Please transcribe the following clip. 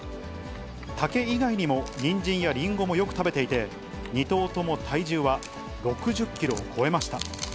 竹以外にもニンジンやリンゴもよく食べていて、２頭とも体重は６０キロを超えました。